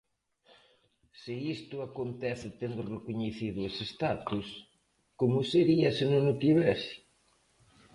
Se isto acontece tendo recoñecido ese status como sería se non o tivese?